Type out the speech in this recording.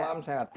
selam sehat terus